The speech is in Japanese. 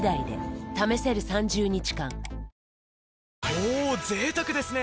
おぉぜいたくですね。